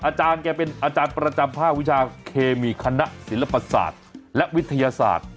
อาจารย์แกเป็นอาจารย์ประจำภาควิชาเคมีคณะศิลปศาสตร์และวิทยาศาสตร์